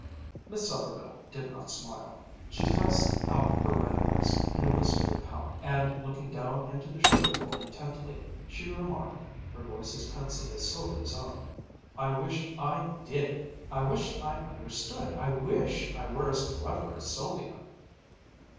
Miss Sommerville did not smile. She thrust out her red lips in a wistful pout, and looking down into the sugar bowl intently, she remarked, her voice as pensive as Sylvia's own: "I wish I did! I wish I understood! I wish I were as clever as Sylvia!"